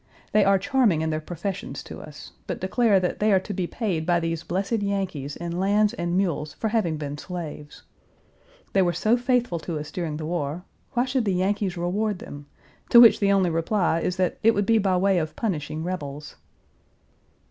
They are charming in their professions to us, but declare that they are to be paid by these blessed Yankees in lands and mules for having been slaves. They were so faithful to us during the war, why should the Yankees reward them, to which the only reply is that it would be by way of punishing rebels.